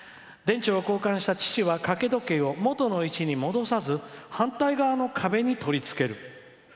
電池を交換した父は掛け時計を元の位置に戻さず反対側の壁に取り付ける。